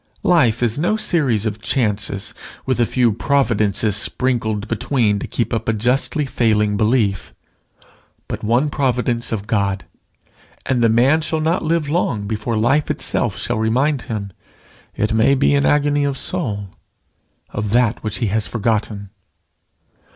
Life is no series of chances with a few providences sprinkled between to keep up a justly failing belief, but one providence of God; and the man shall not live long before life itself shall remind him, it may be in agony of soul, of that which he has forgotten.